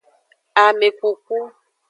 Amekuku.